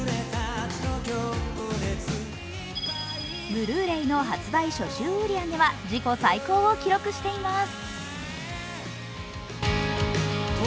ブルーレイの発売初週売り上げは自己最高を記録しています。